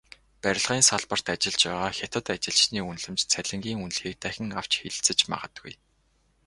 Барилгын салбарт ажиллаж байгаа хятад ажилчны үнэлэмж, цалингийн үнэлгээг дахин авч хэлэлцэж магадгүй.